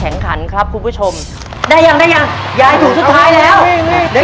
โตเข้ามาบอกว่ายายซื้อให้ผมหน่อยดิเดี๋ยวผมสัญญา